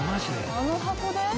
あの箱で？